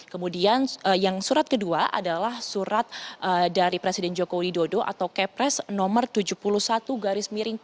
kemudian yang surat kedua adalah surat dari presiden joko widodo atau kepres nomor tujuh puluh satu garis miring